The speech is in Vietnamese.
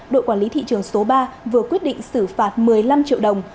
đội quản lý thị trường số ba vừa quyết định xử phạt một mươi năm triệu đồng